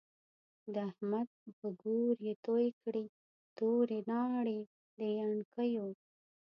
د احمد په ګور يې تو کړی، توری ناړی د يڼکيو